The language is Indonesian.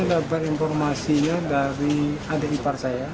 saya dapat informasinya dari adik ipar saya